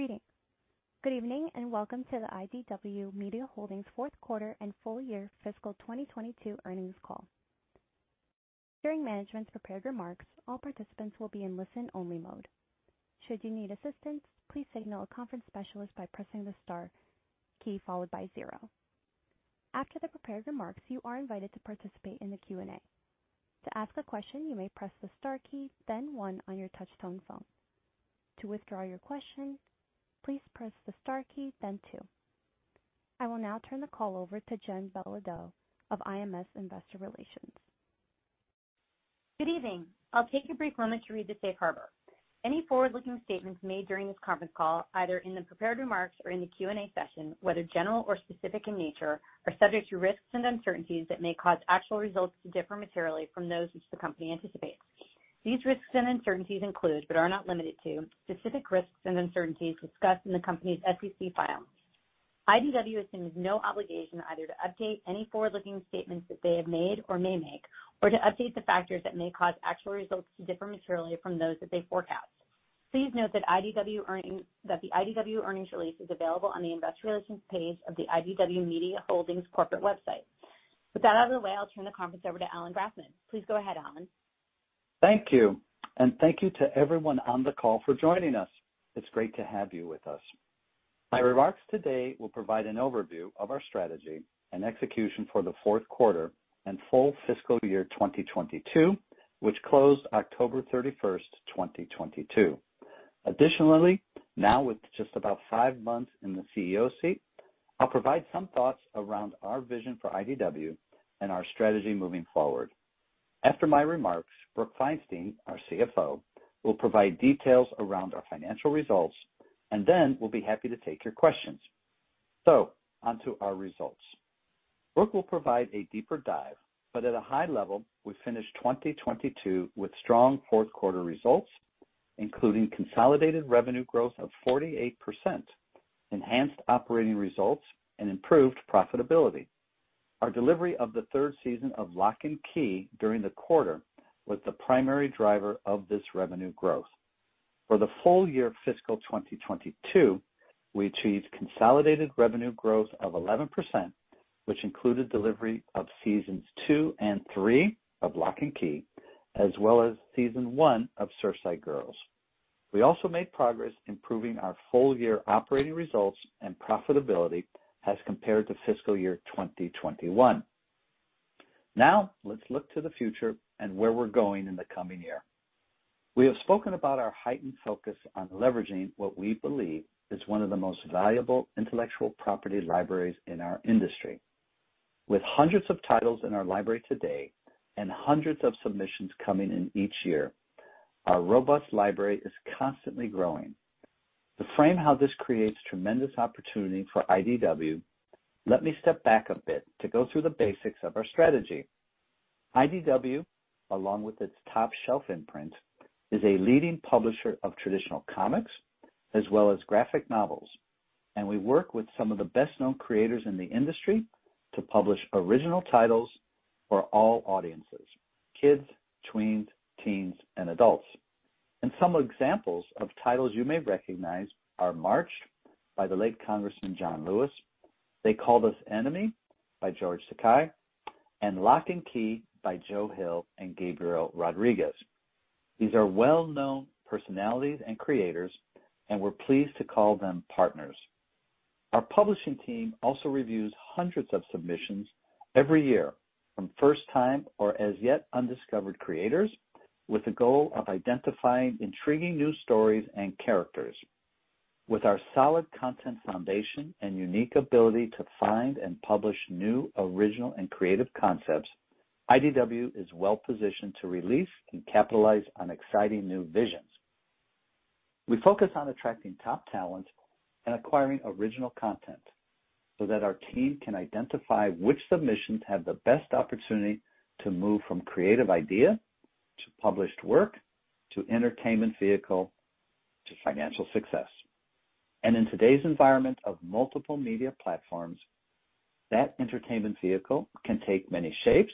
Greetings. Good evening, and welcome to the IDW Media Holdings Q4 and full year fiscal 2022 earnings call. During management's prepared remarks, all participants will be in listen-only mode. Should you need assistance, please signal a conference specialist by pressing the star key followed by zero. After the prepared remarks, you are invited to participate in the Q&A. To ask a question, you may press the star key, then one on your touchtone phone. To withdraw your question, please press the star key then two. I will now turn the call over to Jen Belodeau of IMS Investor Relations. Good evening. I'll take a brief moment to read the safe harbor. Any forward-looking statements made during this conference call, either in the prepared remarks or in the Q&A session, whether general or specific in nature, are subject to risks and uncertainties that may cause actual results to differ materially from those which the company anticipates. These risks and uncertainties include, but are not limited to, specific risks and uncertainties discussed in the company's SEC filing. IDW assumes no obligation either to update any forward-looking statements that they have made or may make or to update the factors that may cause actual results to differ materially from those that they forecast. Please note that the IDW earnings release is available on the investor relations page of the IDW Media Holdings corporate website. With that out of the way, I'll turn the conference over to Allan Grafman. Please go ahead, Allan. Thank you, and thank you to everyone on the call for joining us. It's great to have you with us. My remarks today will provide an overview of our strategy and execution for the Q4 and full fiscal year 2022, which closed October 31st, 2022. Additionally, now with just about five months in the CEO seat, I'll provide some thoughts around our vision for IDW and our strategy moving forward. After my remarks, Brooke Grady, our CFO, will provide details around our financial results, and then we'll be happy to take your questions. Onto our results. Brooke will provide a deeper dive, but at a high level, we finished 2022 with strong Q4 results, including consolidated revenue growth of 48%, enhanced operating results, and improved profitability. Our delivery of the third season of Locke & Key during the quarter was the primary driver of this revenue growth. For the full year fiscal 2022, we achieved consolidated revenue growth of 11%, which included delivery of seasons two and three of Locke & Key, as well as season one of Surfside Girls. We also made progress improving our full-year operating results and profitability as compared to fiscal year 2021. Let's look to the future and where we're going in the coming year. We have spoken about our heightened focus on leveraging what we believe is one of the most valuable intellectual property libraries in our industry. With hundreds of titles in our library today and hundreds of submissions coming in each year, our robust library is constantly growing. To frame how this creates tremendous opportunity for IDW, let me step back a bit to go through the basics of our strategy. IDW, along with its Top Shelf imprint, is a leading publisher of traditional comics as well as graphic novels, and we work with some of the best-known creators in the industry to publish original titles for all audiences, kids, tweens, teens, and adults. Some examples of titles you may recognize are March by the late Congressman John Lewis, They Called Us Enemy by George Takei, and Locke & Key by Joe Hill and Gabriel Rodríguez. These are well-known personalities and creators, and we're pleased to call them partners. Our publishing team also reviews hundreds of submissions every year from first-time or as-yet-undiscovered creators with the goal of identifying intriguing new stories and characters. With our solid content foundation and unique ability to find and publish new, original, and creative concepts, IDW is well-positioned to release and capitalize on exciting new visions. We focus on attracting top talent and acquiring original content so that our team can identify which submissions have the best opportunity to move from creative idea to published work to entertainment vehicle to financial success. In today's environment of multiple media platforms, that entertainment vehicle can take many shapes.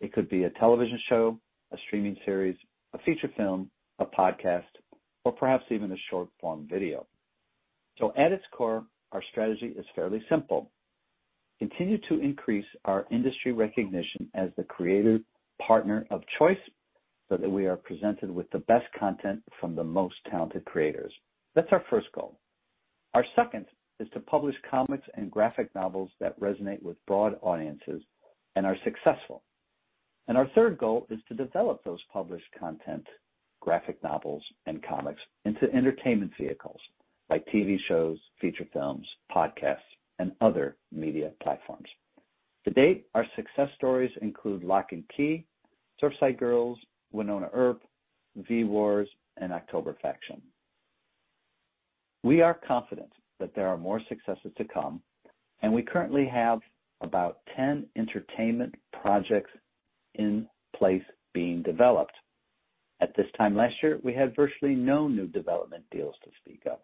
It could be a television show, a streaming series, a feature film, a podcast, or perhaps even a short-form video. At its core, our strategy is fairly simple: continue to increase our industry recognition as the creative partner of choice so that we are presented with the best content from the most talented creators. That's our first goal. Our second is to publish comics and graphic novels that resonate with broad audiences and are successful. Our third goal is to develop those published content, graphic novels, and comics into entertainment vehicles like TV shows, feature films, podcasts, and other media platforms. To date, our success stories include Locke & Key, Surfside Girls, Wynonna Earp, V-Wars, and October Faction. We are confident that there are more successes to come, and we currently have about 10 entertainment projects in place being developed. At this time last year, we had virtually no new development deals to speak of.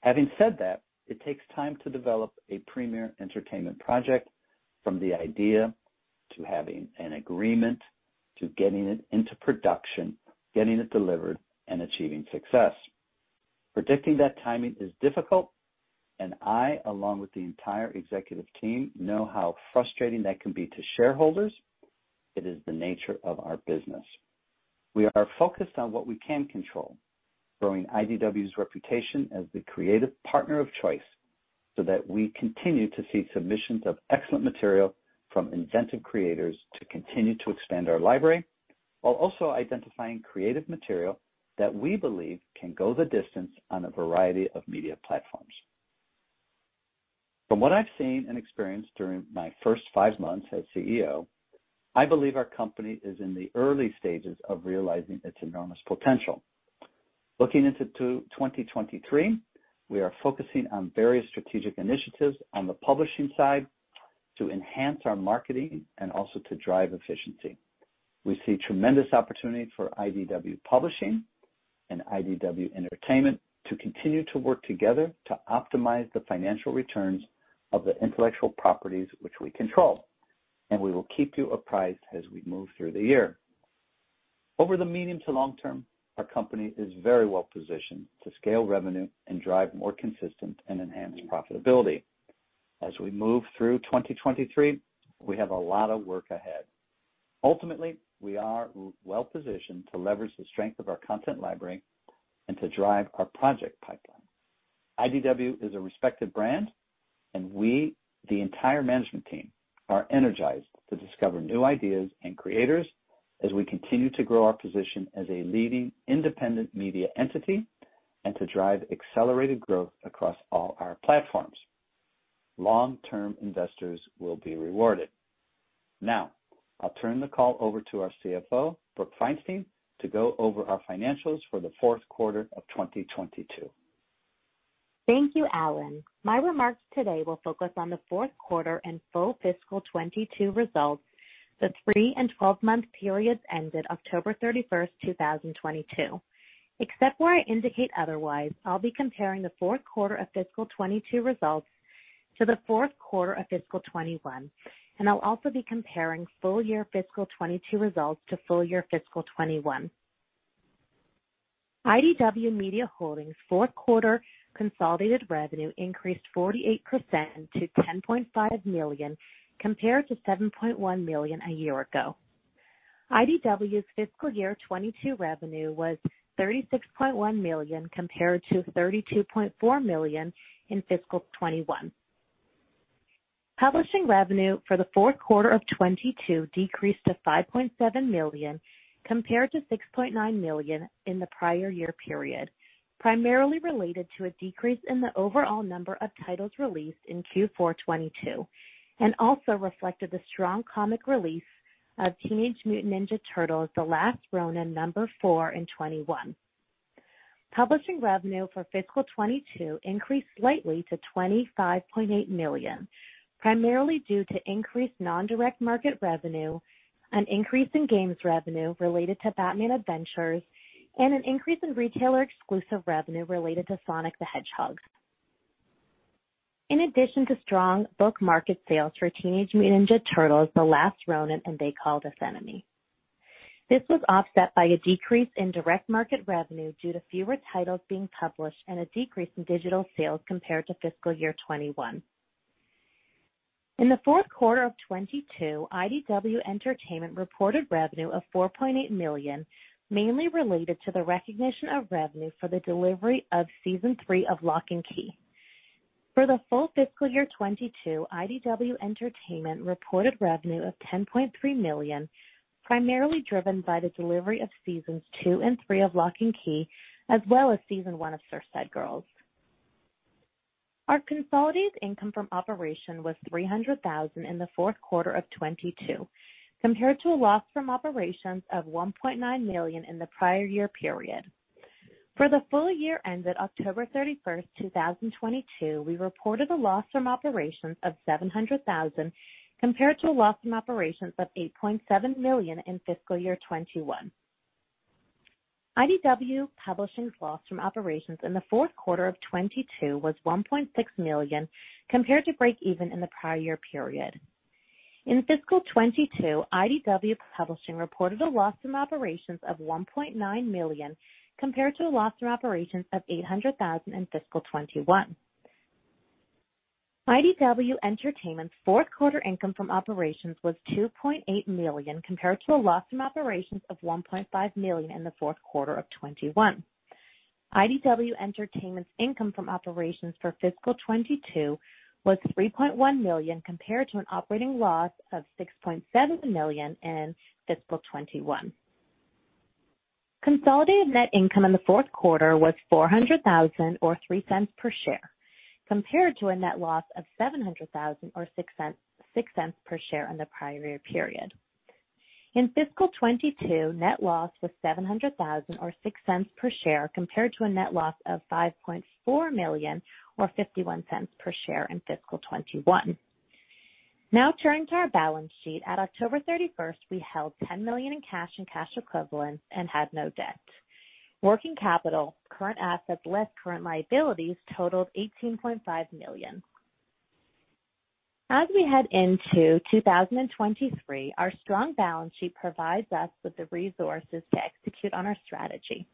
Having said that, it takes time to develop a premier entertainment project from the idea to having an agreement, to getting it into production, getting it delivered, and achieving success. Predicting that timing is difficult, I, along with the entire executive team, know how frustrating that can be to shareholders. It is the nature of our business. We are focused on what we can control, growing IDW's reputation as the creative partner of choice, so that we continue to see submissions of excellent material from inventive creators to continue to expand our library, while also identifying creative material that we believe can go the distance on a variety of media platforms. From what I've seen and experienced during my first five months as CEO, I believe our company is in the early stages of realizing its enormous potential. Looking into 2023, we are focusing on various strategic initiatives on the publishing side to enhance our marketing and also to drive efficiency. We see tremendous opportunity for IDW Publishing and IDW Entertainment to continue to work together to optimize the financial returns of the intellectual properties which we control. We will keep you apprised as we move through the year. Over the medium to long term, our company is very well positioned to scale revenue and drive more consistent and enhanced profitability. As we move through 2023, we have a lot of work ahead. Ultimately, we are well-positioned to leverage the strength of our content library and to drive our project pipeline. IDW is a respected brand. We, the entire management team, are energized to discover new ideas and creators as we continue to grow our position as a leading independent media entity and to drive accelerated growth across all our platforms. Long-term investors will be rewarded. Now, I'll turn the call over to our CFO, Brooke Grady, to go over our financials for the Q4 of 2022. Thank you, Allan. My remarks today will focus on the Q4 and full fiscal 2022 results, the three and 12-month periods ended October 31, 2022. Except where I indicate otherwise, I'll be comparing the Q4 of fiscal 2022 results to the Q4 of fiscal 2021, and I'll also be comparing full year fiscal 2022 results to full year fiscal 2021. IDW Media Holdings' Q4 consolidated revenue increased 48% to $10.5 million compared to $7.1 million a year ago. IDW's fiscal year 2022 revenue was $36.1 million compared to $32.4 million in fiscal 2021. Publishing revenue for the Q4 of 2022 decreased to $5.7 million compared to $6.9 million in the prior year period, primarily related to a decrease in the overall number of titles released in Q4 2022. Also reflected the strong comic release of Teenage Mutant Ninja Turtles: The Last Ronin number 4 in 2021. Publishing revenue for fiscal 2022 increased slightly to $25.8 million, primarily due to increased non-direct market revenue, an increase in games revenue related to Batman Adventures, an increase in retailer exclusive revenue related to Sonic the Hedgehog. In addition to strong book market sales for Teenage Mutant Ninja Turtles: The Last Ronin and They Called Us Enemy. This was offset by a decrease in direct market revenue due to fewer titles being published and a decrease in digital sales compared to fiscal year 2021. In the Q4 of 2022, IDW Entertainment reported revenue of $4.8 million, mainly related to the recognition of revenue for the delivery of season three of Locke & Key. For the full fiscal year 2022, IDW Entertainment reported revenue of $10.3 million, primarily driven by the delivery of seasons two and three of Locke & Key, as well as season one of Surfside Girls. Our consolidated income from operation was $300,000 in the Q4 of 2022, compared to a loss from operations of $1.9 million in the prior year period. For the full year ended October 31, 2022, we reported a loss from operations of $700,000, compared to a loss from operations of $8.7 million in fiscal year 2021. IDW Publishing's loss from operations in the Q4 of 2022 was $1.6 million, compared to breakeven in the prior year period. In fiscal 2022, IDW Publishing reported a loss from operations of $1.9 million, compared to a loss from operations of $800,000 in fiscal 2021. IDW Entertainment's Q4 income from operations was $2.8 million, compared to a loss from operations of $1.5 million in the Q4 of 2021. IDW Entertainment's income from operations for fiscal 2022 was $3.1 million, compared to an operating loss of $6.7 million in fiscal 2021. Consolidated net income in the Q4 was $400,000 or $0.03 per share, compared to a net loss of $700,000 or $0.06 per share in the prior year period. In fiscal 2022, net loss was $700,000 or $0.06 per share, compared to a net loss of $5.4 million or $0.51 per share in fiscal 2021. Turning to our balance sheet. At October 31st, we held $10 million in cash and cash equivalents and had no debt. Working capital, current assets less current liabilities totaled $18.5 million. As we head into 2023, our strong balance sheet provides us with the resources to execute on our strategy.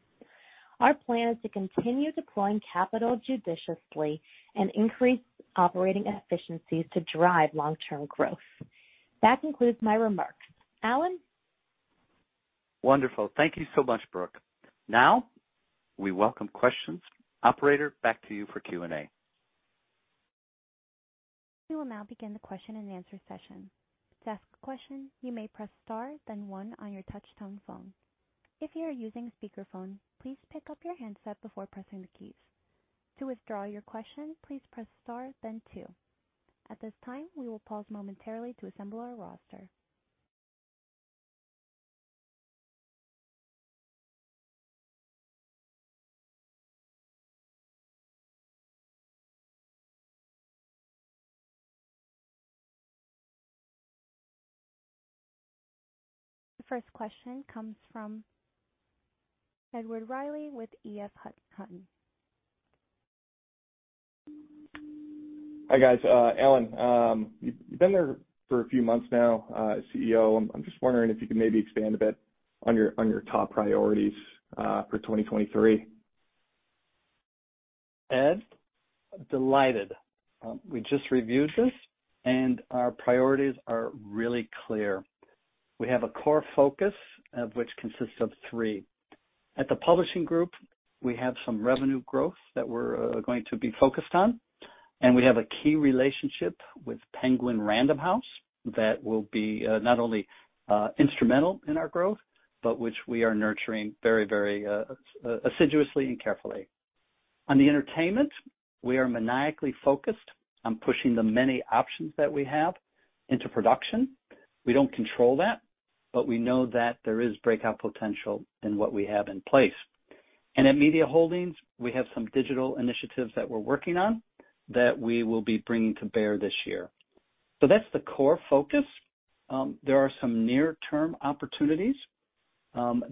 Our plan is to continue deploying capital judiciously and increase operating efficiencies to drive long-term growth. That concludes my remarks. Allan? Wonderful. Thank you so much, Brooke. Now we welcome questions. Operator, back to you for Q&A. We will now begin the question and answer session. To ask a question, you may press star then one on your touchtone phone. If you are using a speakerphone, please pick up your handset before pressing the keys. To withdraw your question, please press star then two. At this time, we will pause momentarily to assemble our roster. The first question comes from Edward Reilly with EF Hutton. Hi, guys. Alan, you've been there for a few months now, as CEO. I'm just wondering if you could maybe expand a bit on your, on your top priorities, for 2023? Ed, delighted. We just reviewed this, and our priorities are really clear. We have a core focus of which consists of three. At the publishing group, we have some revenue growth that we're going to be focused on, and we have a key relationship with Penguin Random House that will be not only instrumental in our growth, but which we are nurturing very, very assiduously and carefully. On the entertainment, we are maniacally focused on pushing the many options that we have into production. We don't control that, but we know that there is breakout potential in what we have in place. At Media Holdings, we have some digital initiatives that we're working on that we will be bringing to bear this year. That's the core focus. There are some near-term opportunities.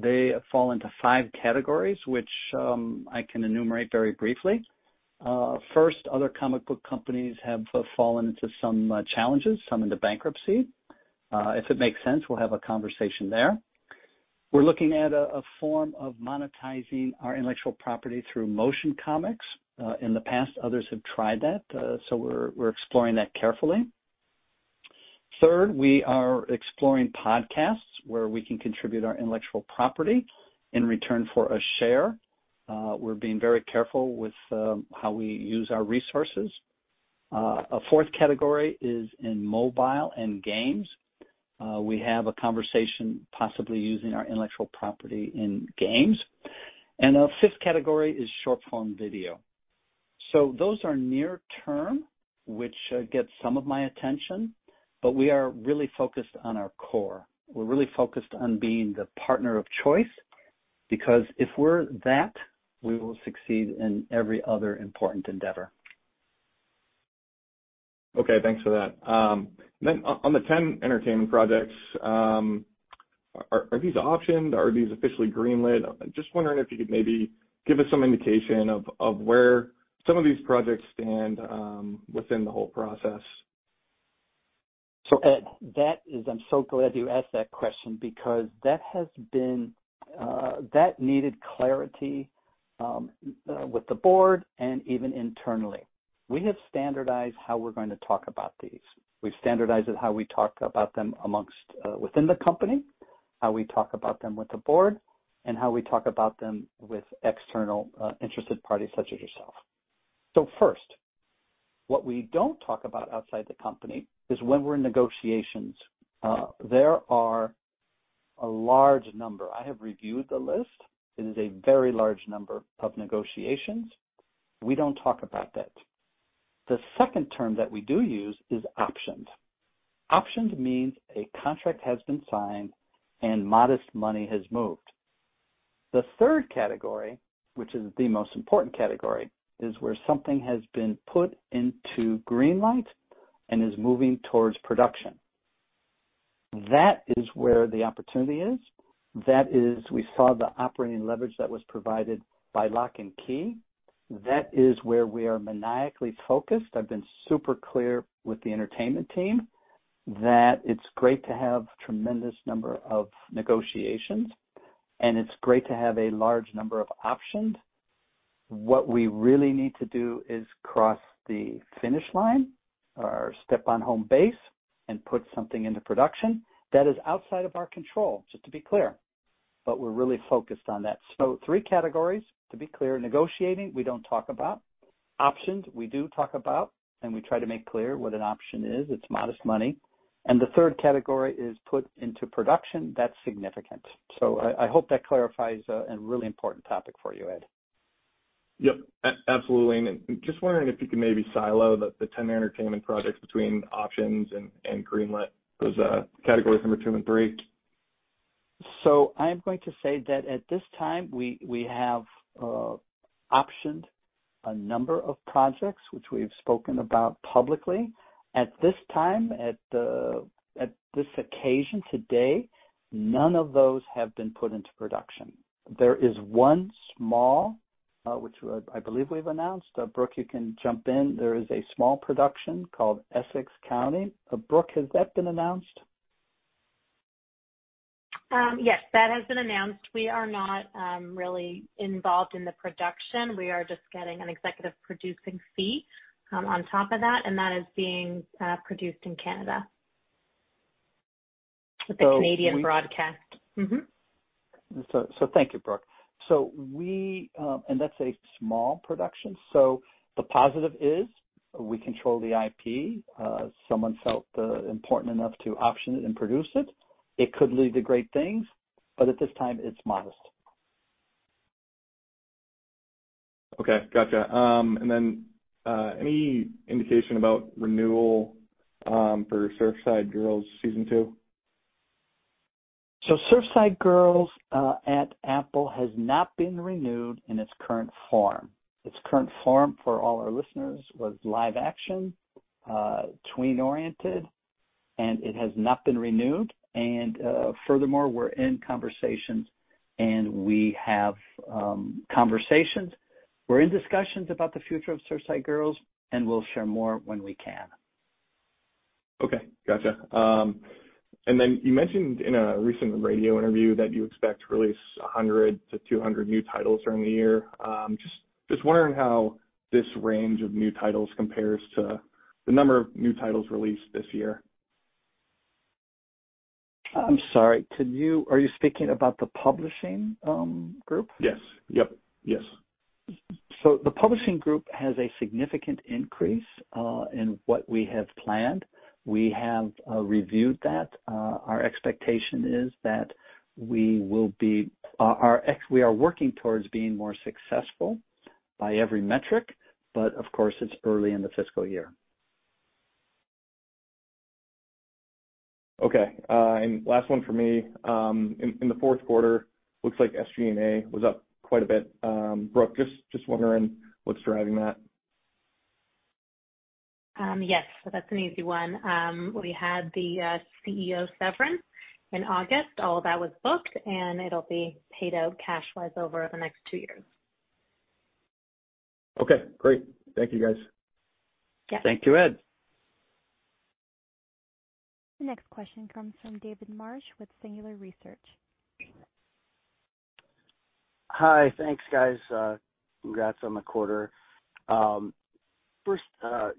They fall into five categories, which I can enumerate very briefly. First, other comic book companies have fallen into some challenges, some into bankruptcy. If it makes sense, we'll have a conversation there. We're looking at a form of monetizing our intellectual property through motion comics. In the past, others have tried that, so we're exploring that carefully. Third, we are exploring podcasts where we can contribute our intellectual property in return for a share. We're being very careful with how we use our resources. A 4th category is in mobile and games. We have a conversation possibly using our intellectual property in games. A 5th category is short-form video. Those are near-term, which get some of my attention, but we are really focused on our core. We're really focused on being the partner of choice because if we're that, we will succeed in every other important endeavor. Okay, thanks for that. On the 10 entertainment projects, are these optioned? Are these officially green-lit? I'm just wondering if you could maybe give us some indication of where some of these projects stand within the whole process. Ed, that is I'm so glad you asked that question because that has been, that needed clarity, with the Board and even internally. We have standardized how we're going to talk about these. We've standardized it how we talk about them amongst within the company, how we talk about them with the Board, and how we talk about them with external, interested parties such as yourself. First, what we don't talk about outside the company is when we're in negotiations. There are a large number. I have reviewed the list. It is a very large number of negotiations. We don't talk about that. The second term that we do use is optioned. Optioned means a contract has been signed and modest money has moved. The third category, which is the most important category, is where something has been put into green light and is moving towards production. That is where the opportunity is. That is we saw the operating leverage that was provided by Locke & Key. That is where we are maniacally focused. I've been super clear with the entertainment team that it's great to have tremendous number of negotiations, and it's great to have a large number of optioned. What we really need to do is cross the finish line or step on home base and put something into production. That is outside of our control, just to be clear, but we're really focused on that. Three categories to be clear. Negotiating, we don't talk about. Optioned, we do talk about, and we try to make clear what an option is. It's modest money. The third category is put into production. That's significant. I hope that clarifies a really important topic for you, Ed. Yep. Absolutely. Just wondering if you could maybe silo the 10 entertainment projects between options and green-lit. Those are category number two and three. I'm going to say that at this time, we have optioned a number of projects which we've spoken about publicly. At this time, at this occasion today, none of those have been put into production. There is one small, which I believe we've announced. Brooke, you can jump in. There is a small production called Essex County. Brooke, has that been announced? Yes, that has been announced. We are not really involved in the production. We are just getting an executive producing fee on top of that, and that is being produced in Canada. So we- With the Canadian Broadcast. Thank you, Brooke. That's a small production. The positive is we control the IP. Someone felt important enough to option it and produce it. It could lead to great things, but at this time it's modest. Okay. Gotcha. any indication about renewal, for Surfside Girls season two? Surfside Girls at Apple has not been renewed in its current form. Its current form for all our listeners was live action, tween oriented, and it has not been renewed. Furthermore, we're in conversations and we have conversations. We're in discussions about the future of Surfside Girls, and we'll share more when we can. Okay. Gotcha. You mentioned in a recent radio interview that you expect to release 100-200 new titles during the year. Just wondering how this range of new titles compares to the number of new titles released this year? I'm sorry, Are you speaking about the publishing group? Yes. Yep. Yes. The publishing group has a significant increase in what we have planned. We have reviewed that. Our expectation is that we will be. We are working towards being more successful by every metric, but of course it's early in the fiscal year. Okay. Last one for me. In the Q4, looks like SG&A was up quite a bit. Brooke, just wondering what's driving that? Yes, that's an easy one. We had the CEO severance in August. All that was booked, it'll be paid out cash-wise over the next two years. Okay, great. Thank you guys. Yep. Thank you, Ed. The next question comes from David Marsh with Singular Research. Hi. Thanks, guys. Congrats on the quarter. First,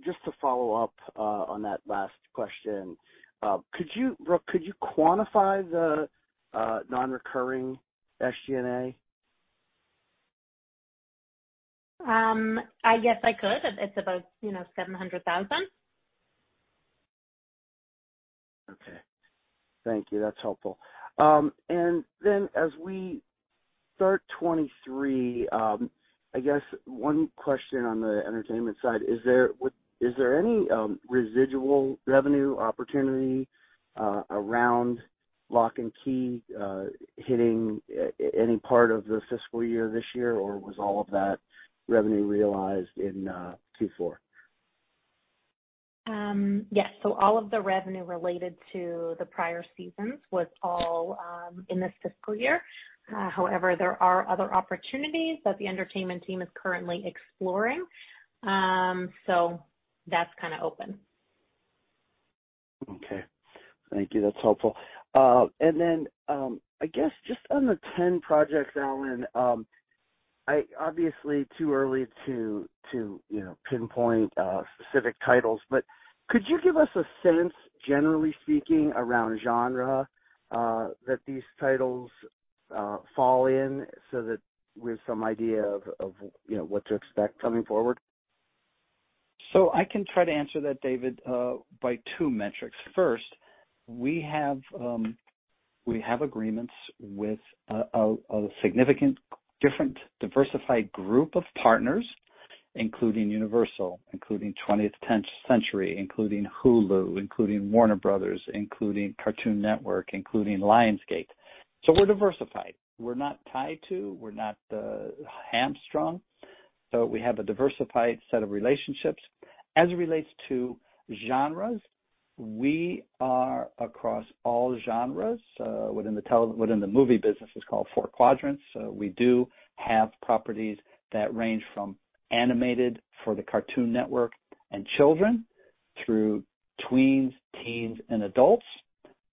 just to follow up on that last question. Brooke, could you quantify the non-recurring SG&A? I guess I could. It's about, you know, $700,000. Okay. Thank you. That's helpful. As we start 2023, I guess one question on the entertainment side, is there any residual revenue opportunity around Locke & Key, hitting any part of the fiscal year this year, or was all of that revenue realized in Q4? Yes. All of the revenue related to the prior seasons was all in this fiscal year. There are other opportunities that the entertainment team is currently exploring. That's kinda open. Okay. Thank you. That's helpful. I guess just on the 10 projects, Allan, obviously too early to, you know, pinpoint specific titles, but could you give us a sense, generally speaking, around genre that these titles fall in so that we have some idea of, you know, what to expect coming forward? I can try to answer that, David, by two metrics. First, we have agreements with a significant different diversified group of partners, including Universal, including Twentieth Century, including Hulu, including Warner Bros., including Cartoon Network, including Lionsgate. We're diversified. We're not tied to, we're not hamstrung. We have a diversified set of relationships. As it relates to genres, we are across all genres. Within the movie business, it's called four quadrants. We do have properties that range from animated for the Cartoon Network and children through tweens, teens, and adults.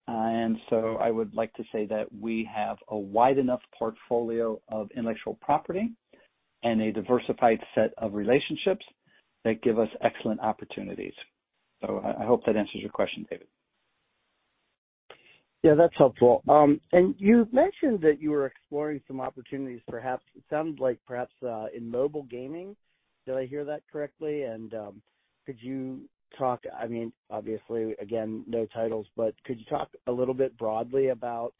I would like to say that we have a wide enough portfolio of intellectual property and a diversified set of relationships that give us excellent opportunities. I hope that answers your question, David. Yeah, that's helpful. You mentioned that you were exploring some opportunities, perhaps, it sounds like perhaps, in mobile gaming. Did I hear that correctly? Could you talk, I mean, obviously, again, no titles, but could you talk a little bit broadly about,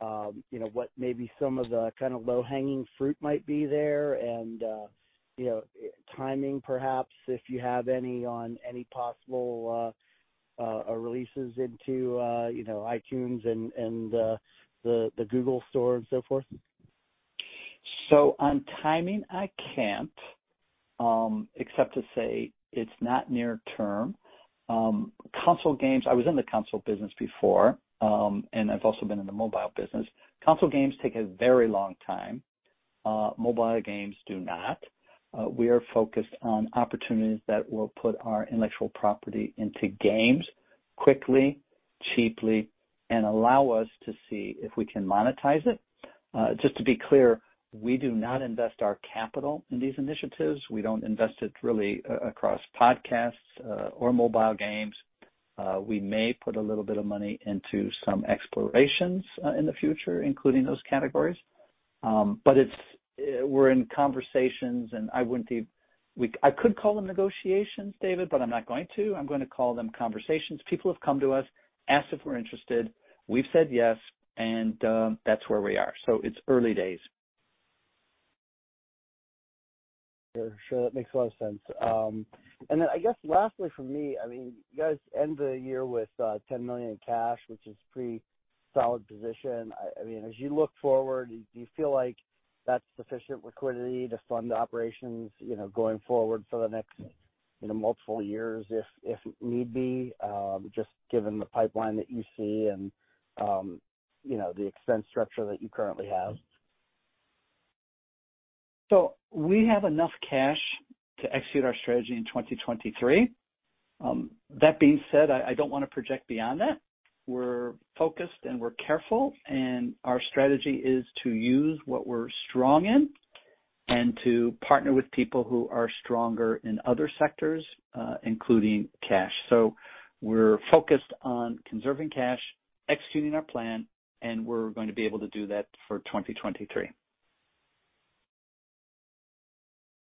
you know, what maybe some of the kinda low-hanging fruit might be there and, you know, timing perhaps if you have any on any possible, or releases into, you know, iTunes and, the Google Store and so forth? On timing, I can't, except to say it's not near term. Console games, I was in the console business before, and I've also been in the mobile business. Console games take a very long time. Mobile games do not. We are focused on opportunities that will put our intellectual property into games quickly, cheaply, and allow us to see if we can monetize it. Just to be clear, we do not invest our capital in these initiatives. We don't invest it really across podcasts, or mobile games. We may put a little bit of money into some explorations, in the future, including those categories. It's, we're in conversations and I could call them negotiations, David, but I'm not going to. I'm gonna call them conversations. People have come to us, asked if we're interested. We've said yes, that's where we are. It's early days. Sure. Sure. That makes a lot of sense. Then I guess lastly from me, I mean, you guys end the year with $10 million in cash, which is pretty solid position. I mean, as you look forward, do you feel like that's sufficient liquidity to fund operations, you know, going forward for the next, you know, multiple years if need be, just given the pipeline that you see and, you know, the expense structure that you currently have? We have enough cash to execute our strategy in 2023. That being said, I don't wanna project beyond that. We're focused, and we're careful, and our strategy is to use what we're strong in and to partner with people who are stronger in other sectors, including cash. We're focused on conserving cash, executing our plan, and we're going to be able to do that for 2023.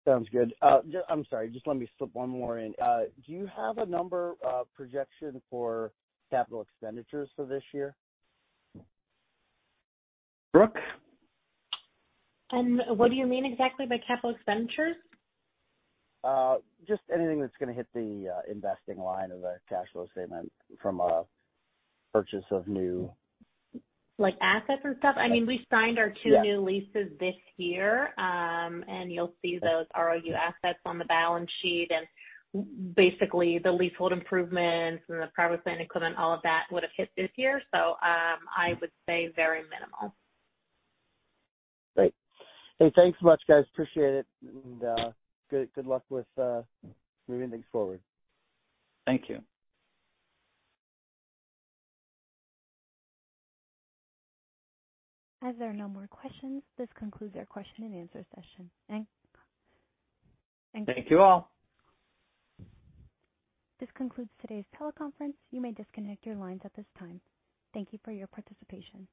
Sounds good. I'm sorry, just let me slip one more in. Do you have a number, projection for capital expenditures for this year? Brooke? What do you mean exactly by capital expenditures? Just anything that's gonna hit the investing line of the cash flow statement from a purchase of. Like, assets and stuff? I mean, we signed our two-. Yeah. new leases this year. You'll see those ROU assets on the balance sheet and basically the leasehold improvements and the private land equipment, all of that would have hit this year. I would say very minimal. Great. Hey, thanks so much, guys. Appreciate it. Good luck with moving things forward. Thank you. As there are no more questions, this concludes our question and answer session. Thank you. Thank you all. This concludes today's teleconference. You may disconnect your lines at this time. Thank you for your participation.